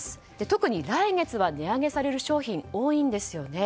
特に来月は値上げされる商品が多いんですね。